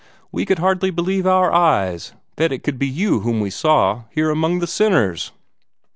"We could barely believe our eyes that it could be you whom we saw, here among the sinners!"